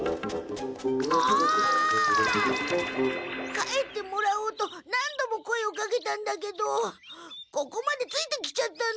帰ってもらおうと何度も声をかけたんだけどここまでついてきちゃったの。